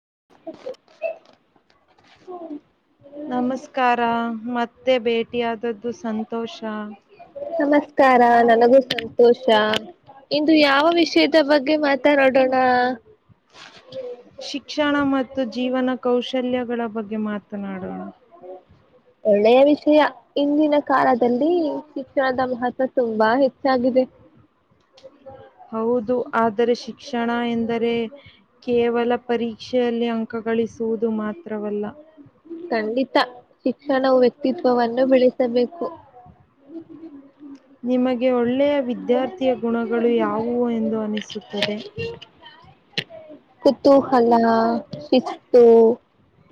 [inaudible] ನಮಸ್ಕಾರ ಮತ್ತೆ ಭೇಟಿಯಾದದ್ದು ಸಂತೋಷ ನಮಸ್ಕಾರ ಎಲ್ ನನಗೂ ಸಂತೋಷ ಇಂದು ಯಾವ ವಿಷಯದ ಬಗ್ಗೆ ಮಾತಾಡೋಡಣ ಶಿಕ್ಷಣ ಮತ್ತು ಜೀವನ ಕೌಶಲ್ಯಗಳ ಬಗ್ಗೆ ಮಾತನಾಡೋಣ ಒಳ್ಳೆಯ ವಿಚ್ ವಿಷಯ ಇಂದಿನ ಕಾಲದಲ್ಲಿ ಶಿಕ್ಷಣದ ಮಹತ್ವ ತುಂಬಾ ಹೆಚ್ಚಾಗಿದೆ ಹೌದು ಆದರೆ ಶಿಕ್ಷಣ ಎಂದರೆ ಕೇವಲ ಪರೀಕ್ಷೆ ಠೆಅಲ್ಲಿ ಅಂಕ ಗಳಿಸುವುದು ಮಾತ್ರವಲ್ಲ ಖಂಡಿತ ಶಿಕ್ಷಣವು ವ್ಯಕ್ತಿತ್ವವನ್ನು ಬೆಳೆಸಬೇಕು [inaudible] [inaudible] ನಿಮಗೆ ಒಳ್ಳೆಯ ವಿದ್ಯಾರ್ಥಿಯ ಗುಣಗಳು ಯಾವುವು ಎಂದು ಅನಿಸುತ್ತದೆ ಕುತ್ತುಹಲ ಶಿಸ್ತು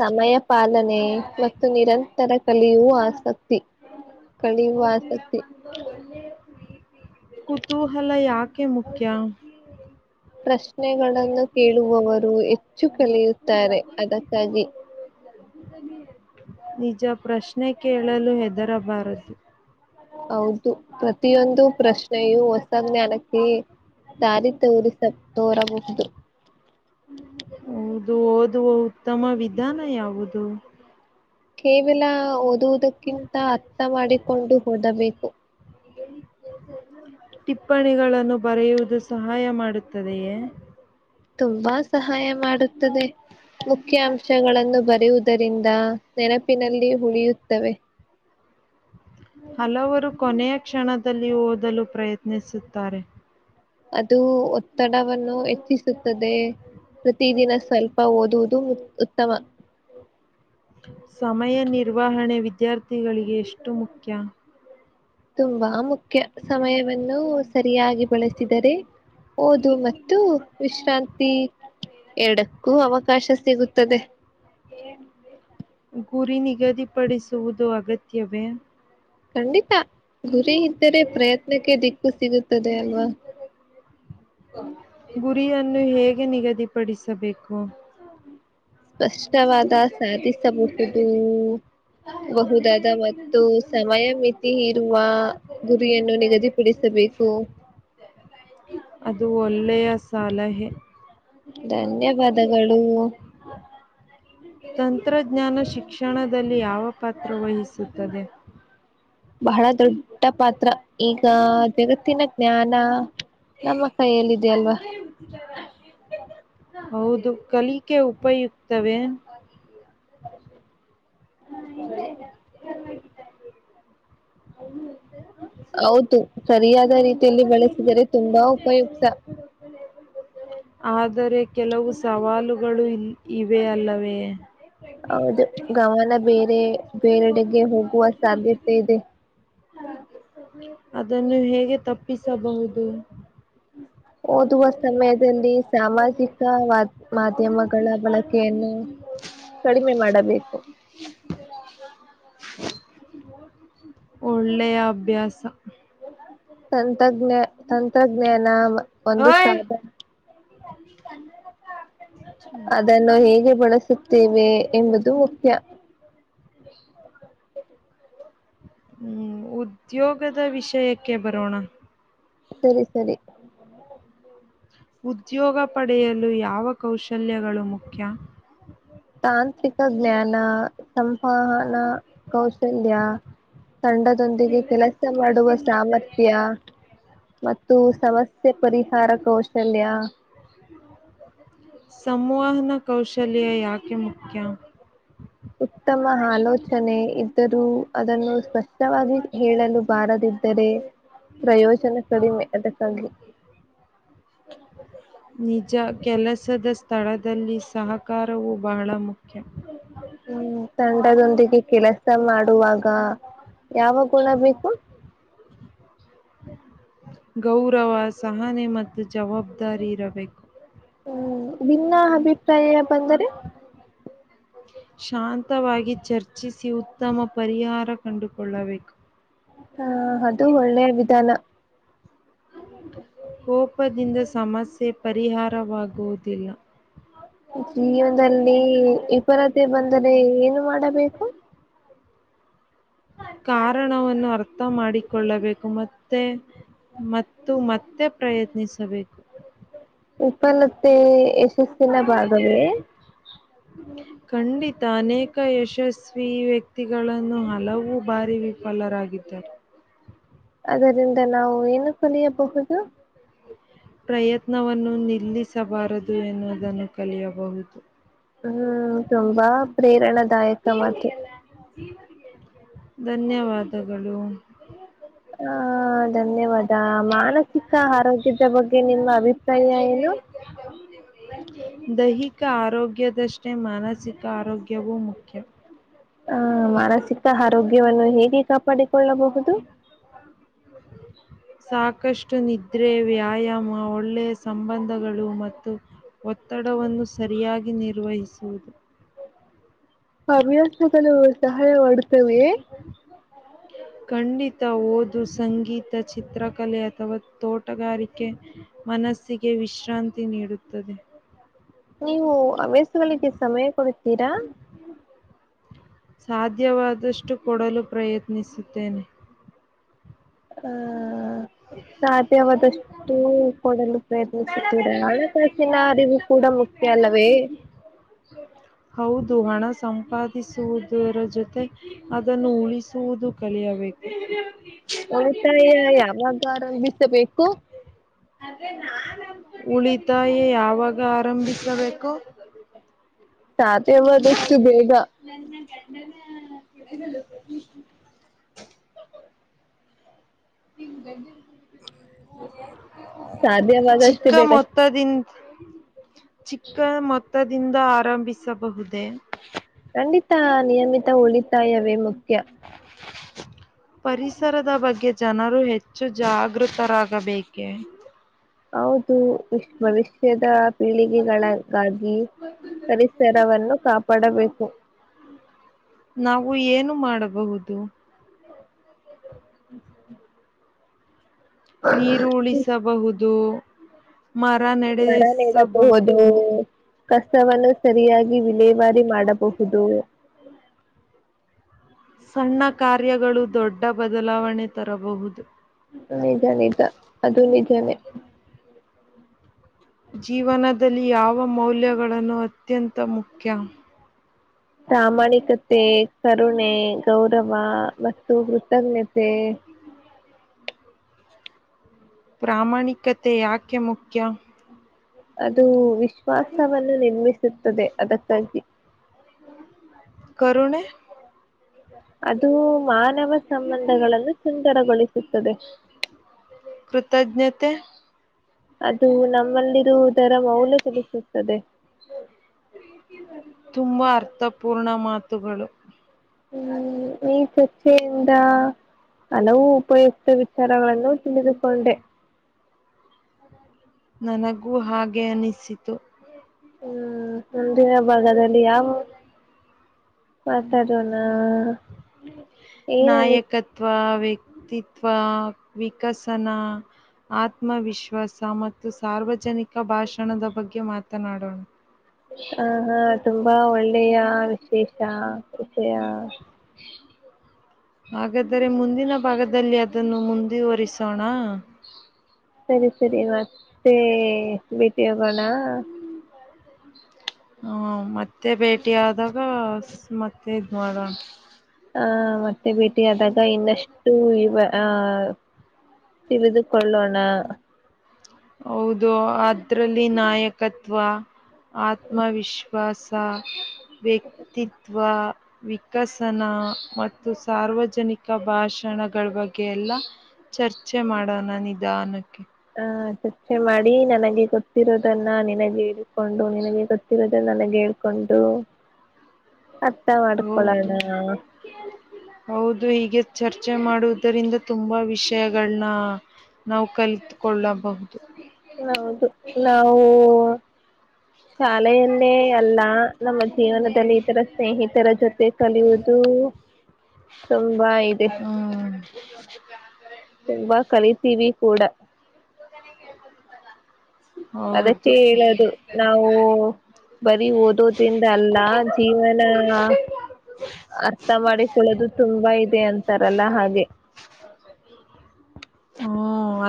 ಸಮಯ ಪ್ ಪಾಲನೆ ಮತ್ತು ನಿರಂತರ ಕಲಿಯುವ ಆಸಕ್ತಿ ಕಲಿಯುವ ಆಸಕ್ತಿ [inaudible] ಕುತೂಹಲ ಯಾಕೆ ಮುಖ್ಯ ಶ್ನೆಗಳನ್ನು ಕೇಳುವವರು ಹೆಚ್ಚು ಕಲಿಯುತ್ತಾರೆ ಅದಕ್ಕಾಗಿ ನಿಜ ಪ್ರಶ್ನೆ ಕೇಳಲು ಹೆದರಬಾರದು ಹೌದು ಪ್ರತಿಯೊಂದು ಪ್ರಶ್ನೆಯು ಹೊಸ ಜ್ಞಾನಕ್ಕೆ ದಾರಿ ತೋರಿಸ ತೋರಬಹುದು ಹೌದು ಓದುವ ಉತ್ತಮ ವಿಧಾನ ಯಾವುದು ಕೇವಲ ಓದುವುದಕ್ಕಿಂತ ಅರ್ಥ ಮಾಡಿಕೊಂಡು ಓದಬೇಕು ಟಿಪ್ಪಣಿಗಳನ್ನು ಬರೆಯುವುದು ಸಹಾಯ ಮಾಡುತ್ತದೆಯೇ ತುಂಬಾ ಸಹಾಯ ಮಾಡುತ್ತದೆ ಮುಖ್ಯ ಅಂಶಗಳನ್ನು ಬರೆಯುವುದರಿಂದ ನೆನಪಿನಲ್ಲಿ ಉಳಿಯುತ್ತವೆ [inaudible] ಹಲವರು ಕೊನೆಯ ಕ್ಷಣದಲ್ಲಿ ಓದಲು ಪ್ರಯತ್ನಿಸುತ್ತಾರೆ ಅದು ಒತ್ತಡವನ್ನು ಹೆಚ್ಚಿಸುತ್ತದೆ ಪ್ರತಿದಿನ ಸ್ವಲ್ಪ ಓದುವುದು ಮತ್ಉತ್ತಮ ಸಮಯ ನಿರ್ವಹಣೆ ವಿದ್ಯಾರ್ಥಿಗಳಿಗೆ ಎಷ್ಟು ಮುಖ್ಯ ತುಂಬಾ ಮುಖ್ಯ ಸಮಯವನ್ನು ಸರಿಯಾಗಿ ಬಳಸಿದರೆ ಓದು ಮತ್ತು ವಿಶ್ರಾಂತಿ ಎರಡಕ್ಕೂ ಅವಕಾಶ ಸಿಗುತ್ತದೆ ಪಡಿಸುವುದು ಅಗತ್ಯವೆ ಖಂಡಿತ ಗುರಿ ಇದ್ದರೆ ಪ್ರಯತ್ನಕ್ಕೆ ದಿಕ್ಕು ಸಿಗುತ್ ಗುರಿಯನ್ನು ಹೇಗೆ ನಿಗದಿಪಡಿಸಬೇಕು ಸ್ಪಷ್ಟವಾದ ಸಾಧಿಸಬಹುದುೂಊ ಬಹುದಾದ ಮತ್ತು ಸಮಯ ಮಿತಿ ಇರುವ ಗುರಿಯನ್ನು ನಿಗದಿಪಡಿಸ ಬೇಕು ಅದು ಒಳ್ಳೆಯ ಸಲಹೆ. ಧನ್ಯವಾದಗಳು ತಂತ್ರಜ್ಞಾನ ಶಿಕ್ಷಣದಲ್ಲಿ ಯಾವ ಪಾತ್ರ ವಹಿಸುತ್ತದೆ ಬಹಳ ದೊಡ್ಡ ಪಾತ್ರ ಈಗ ಜಗತ್ತಿನ ಜ್ಞಾನ ನಮ್ಮ ಕೈಯಲ್ಲಿದೆ ಅಲ್ವ ಹೌದು ಕಲಿಕೆ ಉಪಯುಕ್ತವೇ ಹ ಇಲ್ಲ ಇಲ್ಲ ಪರ್ [inaudible] [inaudible] ಹೌದು ಸರಿಯಾದ ರೀತಿಯಲ್ಲಿ ಬೆಳೆಸಿದರೆ ತುಂಬಾ ಉಪಯುಕ್ತ. ಆದರೆ ಕೆಲವು ಸವಾಲುಗಳು ಇ ಇವೆ ಅಲ್ಲವೇ ಹೌದು ಗವಲ್ಲ ಬೇರೆ ಬೇರೆಡೆಗೆ ಹೋಗುವ ಸಾಧ್ಯತೆ ಇದೆ. ಅದನ್ನು ಹೇಗೆ ತಪ್ಪಿಸಬಹುದು. ಓದುವ ಸಮಯದಲ್ಲಿ ಸಾಮಾಜಿಕ ವ ಮಾಧ್ಯಮಗಳ ಬಳಕೆಯನ್ನು ಕಡಿಮೆ ಮಾಡಬೇಕು. [unintelligible] ಒಳ್ಳೆಯ ಅಭ್ಯಾಸ. ತಂತ್ರಜ್ಞ ತಂತ್ರಜ್ಞಾನ ಒಂದು ಓಯ್! ಸಾಧ [unintelligible] ಅದನ್ನು ಹೇಗೆ ಬಳಸು ತ್ತಿವಿ ಎಂಬುದು ಮುಖ್ಯ. ಹ್ಮ್ ಉದ್ಯೋಗದ ವಿಷಯಕ್ಕೆ ಬರೋಣ. ಸರಿ ಸರಿ [unintelligible] ಉದ್ಯೋಗ ಪಡೆಯಲು ಯಾವ ಕೌಶಲ್ಯಗಳು ಮುಖ್ಯ. ತಾಂತ್ರಿಕ ಜ್ಞಾನ ಸಂವಹನ ಕೌಶಲ್ಯ ತಂಡದೊಂದಿಗೆ ಕೆಲಸ ಮಾಡುವ ಸಾಮರ್ಥ್ಯ ಮತ್ತು ಸಮಸ್ಯೆ ತ್ತೆ ಪರಿಹಾರ ಕೌಶಲ್ಯ ಸಂವಹನ ಕೌಶಲ್ಯ ಯಾಕೆ ಮುಖ್ಯ ಉತ್ತಮ ಆಲೋಚನೆ ಇದ್ದರೂ ಅದನ್ನು ಸ್ಪಷ್ಟವಾಗಿ ಹೇಳಲು ಬಾರದೆ ದ್ದರೆ ಪ್ರಯೋಜನ ಕಡಿಮೆ ಅದಕ್ಕಾಗಿ. ನಿಜ ಕೆಲಸದ ಸ್ಥಳದಲ್ಲಿ ಸಹಕಾರವು ಬಹಳ ಮುಖ್. ಹ್ಮ್ ತಂಡದೊಂದಿಗೆ ಕೆಲಸ ಮಾಡುವಾಗ ಯಾವಗುಣ ಬೇಕು ಗೌರವ ಸಹನೆ ಮತ್ತು ಜವಾಬ್ದಾರಿ ಇರಬೇಕು. ಹ್ಮ್ ಬಿನ್ನ ಅಭಿಪ್ರಾಯ ಬಂದರೆ ಶಾಂತವಾಗಿ ಚರ್ಚಿಸಿ ಉತ್ತಮ ಪರಿಹಾರ ಕಂಡುಕೊಳ್ಳಬೇಕು. ಹಾ ಅದು ಒಳ್ಳೆಯ ವಿಧಾನ. ಕೋಪದಿಂದ ಸಮಸ್ಯೆ ಪರಿಹಾರವಾಗುವುದಿಲ್ಲ. ಜೀವನದಲ್ಲಿ ವಿಪರತೆ ಬಂದರೆ ಏನು ಮಾಡಬೇಕು. ಕಾರಣವನ್ನು ಅರ್ಥ ಮಾಡಿಕೊಳ್ಳಬೇಕು ಮತ್ ತ್ತೆ ಮತ್ತು ಮತ್ತೆ ಪ್ರಯತ್ನಿಸಬೇಕು. ಉಪನತ್ತೆ ಯಶಸ್ಸಿನ ಭಾಗವೇ ತ ಅನೇಕ ಯಶಸ್ವಿ ವ್ಯಕ್ತಿಗಳನ್ನು ಹಲವು ಬಾರಿ ವಿಫಲರಾಗಿದ್ದರು. ಅದರಿಂದ ನಾವು ಏನು ಕಲಿಯಬಹುದು ಪ್ರಯತ್ನವನ್ನು ನಿಲ್ಲಿಸಬಾರದು ಎನ್ನುವುದನ್ನು ಕಲಿಯಬಹುದು. ಪ್ರೇರಣಾದಾಯಕವಾಗಿ. ಧನ್ಯವಾದಗಳು. ಹ ಧನ್ಯವಾದ ಮಾನಸಿಕ ಆರೋಗ್ಯದ ಬಗ್ಗೆ ನಿಮ್ಮ ಅಭಿಪ್ರಾಯ ಏನು ದಹಿಕ ಆರೋಗ್ ಗೆ ಮಾನಸಿಕ ಆರೋಗ್ಯವೂ ಮುಖ್ಯ. ಹ ಮಾನಸಿಕ ಆರೋಗ್ಯವನ್ನು ಹೇಗೆ ಕಾ ಪಡಿಕೊಳ್ಳಬಹುದು ಕಿದ್ರೆ ವ್ಯಾಯಾಮ ಒಳ್ಳೆಯ ಸಂಬಂಧಗಳು ಮತ್ತು ಒತ್ತಡವನ್ನು ಸರಿಯಾಗಿ ನಿರ್ವಹಿಸುವುದು ಹವ್ಯಾಸಗಳು ಸಹಾಯ ಮಾಡುತ್ತವೆ ಖಂಡಿತ ಓದು ಸಂಗೀತ ಚಿತ್ರಕಲೆ ಅಥವಾ ತೋಟಗಾರಿಕೆ ಮನಸ್ಸಿಗೆ ವಿಶ್ರಾಂತಿ ನೀಡುತ್ತದೆ ನೀವು ಹವ್ಯಸ್ಗಳಿಗೆ ಸಮಯ ಕೊಡತೀರಾ ಸಾಧ್ಯವಾದಷ್ಟು ಕೊಡಲು ಪ್ರಯತ್ನಿಸುತ್ತೇನೆ ಹ್ಮ ಹ ಸಾಧ್ಯವಾದಷ್ಟು ಕೊಡಲು ಪ್ರಯತ್ನಿಸುತ್ತಿದೆ ಹಣಕಾಸಿನ ಅರಿವು ಕೂಡ ಮುಖ್ಯ ಅಲ್ಲವೇ ಹೌದು ಹಣ ಸಂಪಾದಿಸುವುದರ ಜೊತೆ ಅದನ್ನು ಉಳಿಸುವುದು ಕಲಿಯಬೇಕು ಒಸಾಯ ಯಾಗ ಆರಂಭಿಸಬೇಕು ಉಳಿತಾಯ ಯಾವಾಗ ಆರಂಭಿಸಬೇಕು ಸಾತವಾದಷ್ಟು ಬೇಗ ಸಾಧ್ಯವಾದಷ್ಟು ಚಿಕ್ಕ ಬೇಗ ಮೊತ್ತದಿಂದ ಚಿಕ್ಕ ಮೊತ್ತದಿಂದ ಆರಂಭಿಸಬಹುದೇ ಖಂಡಿತ ನಿಯಮಿತ ಉಳಿತಾಯವೇ ಮುಖ್ಯ ಹ್ಮ್ ಪರಿಸರದ ಬಗ್ಗೆ ಜನರು ಹೆಚ್ಚು ಜಾಗೃತರಾಗಬೇಕೆ ಹೌದು ವಿಶ್ ಭವಿಷ್ಯದ ಪೀಳಿಗೆಗಳ ಹಾಗಾಗಿ ಪರಿಸರವನ್ನು ಕಾಪಾಡಬೇಕು ನಾವು ಏನು ಮಾಡಬಹುದು ಹ್ಮ್ ಹ್ಮ ನೀರು ಉಳಿಸಬಹುದು ಮರ ಆ ನ ಹೋದು ನೆಡೆಸಬಹುದು. ಕಷ್ಟವನ್ನು ಸರಿಯಾಗಿ ವಿಲೇವಾರಿ ಮಾಡಬಹುದು ಸಣ್ಣ ಕಾರ್ಯಗಳು ದೊಡ್ಡ ಬದಲಾವಣೆ ತರಬಹುದು ನಿಜ ನಿಜ ಅದು ನಿಜಾನೇ ಜೀವನದಲ್ಲಿ ಯಾವ ಮೌಲ್ಯಗಳನ್ನು ಅತ್ಯಂತ ಮುಖ್ಯ ಪ್ರಾಮಾಣಿಕತೆ ಕರುಣೆ ಗೌರವ ಮತ್ತು ಕೃತಜ್ಞತೆ ಹ್ಞೂ ಪ್ರಾಮಾಣಿಕತೆ ಯಾಕೆ ಮುಖ್ಯ ಅದು ವಿಶ್ವಾಸವನ್ನು ನಿರ್ಮಿಸುತ್ತದೆ ಅದಕ್ಕಾಗಿ ಕುಣೆ ಅದು ಮಾನವ ಸಂಬಂಧಗಳನ್ನು ಸುಂದರಗೊಳಿಸುತ್ತದೆ ಹ ಕೃತಜ್ಞತೆ ಅದು ನಮ್ಮಲ್ಲಿರುವುದರ ಮೌಲ್ ತಿಲಿಸುತ್ತದೆ ತುಂಬಾ ಅರ್ಥಪೂರ್ಣ ಮಾತುಗಳು ಹ್ಮ್ ಈ [unintelligible] ಯಿಂದ ಹಲವು ಉಪಯುಕ್ತ ವಿಚಾರಗಳನ್ನು ತಿಳಿದುಕೊಂಡೆ ನನಗೂ ಹಾಗೆ ಅನಿಸಿತು ಹ್ಮ್ ಮುಂದಿನ ಭಾಗದಲ್ಲಿ ಯಾವ ಮಾತಾಡೋಣ ಏನಂದ ನಾಯಕತ್ವ ವ್ಯಕ್ತಿತ್ವ ವಿಕಸನ ಆತ್ಮವಿಶ್ವಾಸ ಮತ್ತು ಸಾರ್ವಜನಿಕ ಭಾಷಣದ ಬಗ್ಗೆ ಮಾತನಾಡೋಣ ಹ ಹಾ ತುಂಬಾ ಒಳ್ಳೆಯ ವಿಶೇಷ ವಿಷಯ ಹಾಗಾದರೆ ಮುಂದಿನ ಭಾಗದಲ್ಲಿ ಅದನ್ನು ಮುಂದುವರಿಸೋಣ ಸರಿ ಸರಿ ಮತ್ತೆ ಭೇಟಿ ಹೋಗೋಣ ಹ್ಮ ಮತ್ತೆ ಭೇಟಿ ಆದಾಗ ಮತ್ತೆ ಇದ್ ಮಾಡಣ ಹ ಮತ್ತೆ ಭೇಟಿ ಆದಾಗ ಇನ್ನಷ್ಟು ಇವ ಆಹ್ ತಿಳಿದುಕೊಳ್ಳೋಣ ಹೌದು ಅದ್ರಲ್ಲಿ ನಾಯಕತ್ವ ಆತ್ಮವಿಶ್ವಾಸ ಸ ವ್ಯಕ್ತಿತ್ವ ವಿಕಸನ ಮತ್ತು ಸಾರ್ವಜನಿಕ ಭಾಷಾ ಕಣಗಳ ಬಗ್ಗೆ ಎಲ್ಲಾ ಚರ್ಚೆ ಮಾಡೋಣ ನಿಧಾನಕ್ಕೆ ಹ ಚರ್ಚೆ ಮಾಡಿ ನನಗೆ ಗೊತ್ತಿರೋದನ್ನ ನಿನಗೆ ಇಕೊಂಡು ನಿನಗೆ ಗೊತ್ತಿರೋದನ್ನ ನನಗೆ ಹೇಳ್ಕೊಂಡು ಅರ್ಥ ಮಾಡಿಕೊಳ್ಳೋಣ ಹೌದು [inaudible] ಹೌದು ಹೀಗೆ ಚರ್ಚೆ ಮಾಡುವುದರಿಂದ ತುಂಬಾ ವಿಷಯಗಳನ್ನ ನಾವು ಕಲಿತುಕೊಳ್ಳಬಹುದು ಹೌದು ನಾವು ಶಾ ತಲೆಯಲ್ಲೇ ಅಲ್ಲ ನಮ್ಮ ಜೀವನದಲ್ಲಿ ಇತರ ಸ್ನೇಹಿತರ ಜೊತೆ ಕಲಿಯುವುದು ತುಂಬಾ ಇದೆ ಹ್ಮ್ ತುಂಬಾ ಕಲಿತೀವಿ ಕೂಡ ಹದನೇ ಕೇಳ್ಕೊಂಡಿಂತಲ್ಲ ಅದಕ್ಕೆ ಹೇಳೋದು ನಾವು ಬರೀ ಓದೋದ್ರಿಂದ ಅಲ್ಲ ಜೀವನ ಅರ್ಥ ಮಾಡಿಕೊಳ್ಳೋದು ತುಂಬಾ ಇದೆ ಅಂತಾರಲ್ಲ ಹಾಗ [inaudible] ಹ್ಞ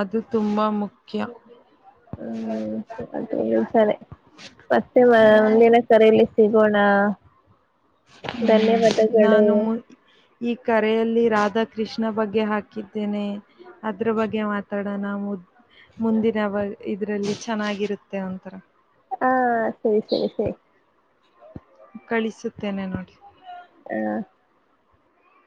ಅದು ತುಂಬ ಮುಖ್ಯ. [unintelligible] ಮತ್ತೆ ಮ ಮುಂದಿನ ಕರಿಲಿ ಸಿಗೋಣ. ಹ್ಮ್ ಧನ್ಯವಾದಗಳು ನಾನು ಈ ಕರೆಯಲ್ಲಿ ರಾಧ. ಕೃಷ್ಣ ಬಗ್ಗೆ ಹಾಕಿದ್ದೇನೆ ಅದ್ರ ಬಗ್ಗೆ ಮಾತಾಡ ನಾವು ಮುಂದಿನ ಇದ್ರಲ್ಲಿ ಚೆನ್ನಾಗಿರುತ್ತೆ ಒಂತರ. ಹಾ ಸರಿ ಸರಿ ಸರಿ ಕಳಿಸುತ್ತೇನೆ ನೋಡಿ ಹಾ